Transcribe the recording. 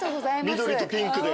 緑とピンクで。